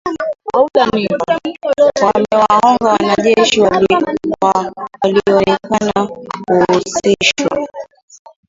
wame wamehogwa wanajeshi wa walionekana kuhusishwa